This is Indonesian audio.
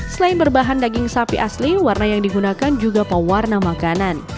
selain berbahan daging sapi asli warna yang digunakan juga pewarna makanan